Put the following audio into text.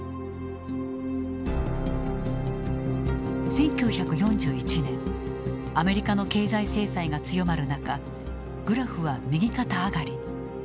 １９４１年アメリカの経済制裁が強まる中グラフは右肩上がりに。